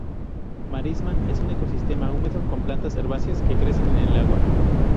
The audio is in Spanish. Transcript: Marisma: es un ecosistema húmedo con plantas herbáceas que crecen en el agua.